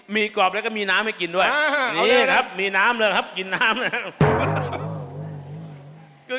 มีกรอบแล้วก็มีน้ำให้กินด้วยนี่ครับมีน้ำแล้วครับกินน้ำนะครับ